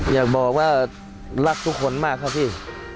อยากบอกว่ารักทุกคนมากครับพี่